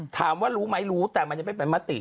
ถามว่ารู้ไหมรู้แต่มันจะเป็นปรมาติ